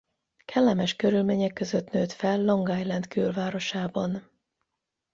Kellemes körülmények között nőtt fel Long Island külvárosában.